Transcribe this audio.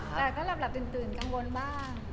แต่ก็หลับตื่นกังวลบ้าง